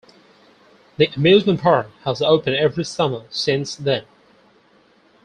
The amusement park has opened every summer since then.